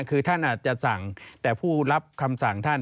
คือท่านอาจจะสั่งแต่ผู้รับคำสั่งท่าน